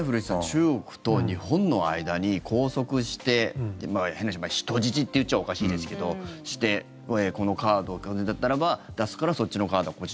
中国と日本の間に拘束して変な話、人質って言っちゃおかしいですけど、してこのカードだったらば出すからそっちのカードこっち